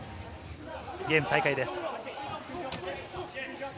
ゲーム再開です。